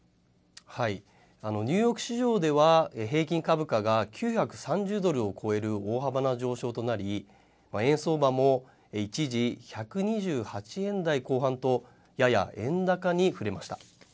ニューヨーク市場では、平均株価が９３０ドルを超える大幅な上昇となり、円相場も一時１２８円台後半と、やや円高に振れました。